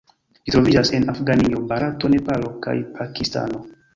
Ĝi troviĝas en Afganio, Barato, Nepalo kaj Pakistano.